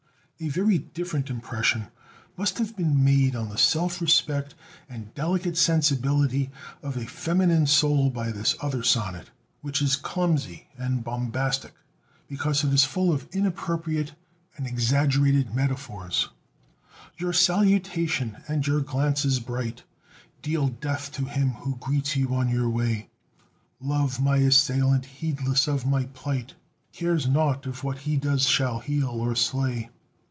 A very different impression must have been made on the self respect and delicate sensibility of a feminine soul by this other sonnet, which is clumsy and bombastic because it is full of inappropriate and exaggerated metaphors: Your salutation and your glances bright Deal death to him who greets you on your way; Love my assailant, heedless of my plight, Cares nought if what he does shall heal or slay.